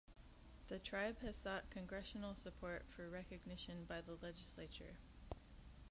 The tribe has sought Congressional support for recognition by the legislature.